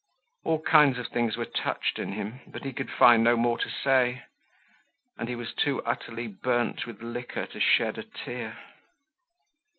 All kind of things were touched in him, but he could find no more to say and he was too utterly burnt with liquor to shed a tear.